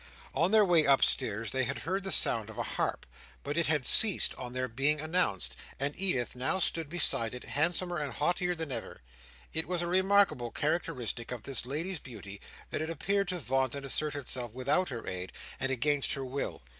On their way upstairs they had heard the sound of a harp, but it had ceased on their being announced, and Edith now stood beside it handsomer and haughtier than ever. It was a remarkable characteristic of this lady's beauty that it appeared to vaunt and assert itself without her aid, and against her will.